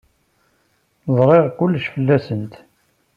Zṛiɣ kullec fell-asent.